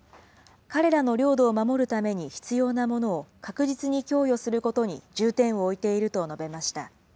彼らの領土を守るために必要なものを確実に供与することに重点を置いていると述べました。